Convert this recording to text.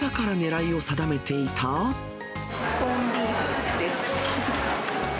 コンビーフです。